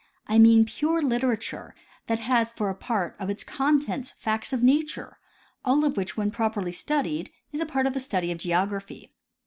I mean pure literature that has for a part. of its con tents, facts of nature, all of which when properly studied, is a part of the study of geography.